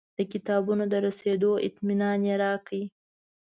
د کتابونو د رسېدو اطمنان یې راکړ.